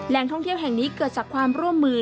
ท่องเที่ยวแห่งนี้เกิดจากความร่วมมือ